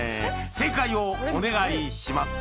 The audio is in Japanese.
正解をお願いします